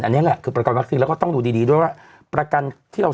อันนี้แหละคือประกันวัคซีนแล้วก็ต้องดูดีด้วยว่าประกันที่เรา